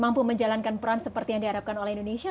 mampu menjalankan peran seperti yang diharapkan oleh indonesia